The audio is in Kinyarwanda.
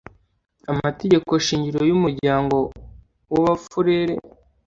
Amategeko shingiro y Umuryango w Abafurere